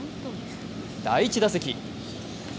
第１打席。